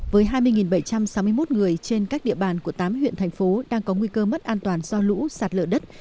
với hai mươi bảy trăm sáu mươi một người trên các địa bàn của tám huyện thành phố đang có nguy cơ mất an toàn do lũ sạt lở đất